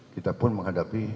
kita pun menghadapi